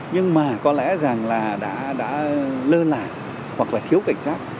nhưng mà có lẽ rằng là đã lơ lại hoặc là thiếu cảnh sát